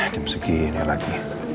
jam segini lagi